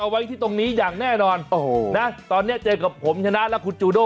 ไว้ที่ตรงนี้อย่างแน่นอนโอ้โหนะตอนนี้เจอกับผมชนะและคุณจูโด